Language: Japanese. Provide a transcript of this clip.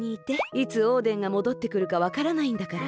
いつオーデンがもどってくるかわからないんだから。